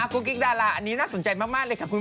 กุ๊กกิ๊กดาราอันนี้น่าสนใจมากเลยค่ะคุณผู้ชม